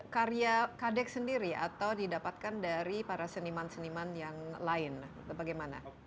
karya kadek sendiri atau didapatkan dari para seniman seniman yang lain bagaimana